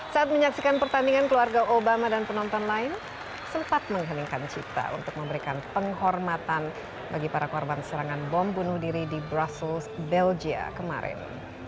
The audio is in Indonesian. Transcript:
saat menyaksikan pertandingan keluarga obama dan penonton lain sempat mengheningkan cipta untuk memberikan penghormatan bagi para korban serangan bom bunuh diri di brussels belgia kemarin